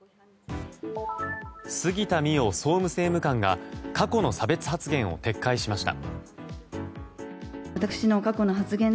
杉田水脈総務政務官が過去の差別発言を撤回しました。